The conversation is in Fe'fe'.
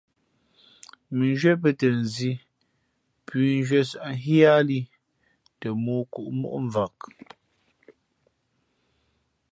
Mʉnzhwíé mbαtα nzī pʉ̌nzhwíé sα̌ʼ nhíá lī th mōō kǔʼ móʼ mvak.